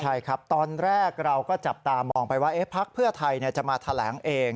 ใช่ครับตอนแรกเราก็จับตามองไปว่าพักเพื่อไทยจะมาแถลงเอง